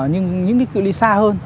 nhưng những cái cựu ly xa hơn